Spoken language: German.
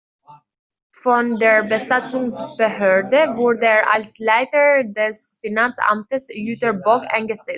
Von der Besatzungsbehörde wurde er als Leiter des Finanzamtes Jüterbog eingesetzt.